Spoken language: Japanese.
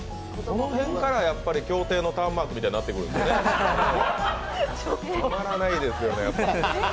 この辺から競艇のターンマークみたいになってくるんですね。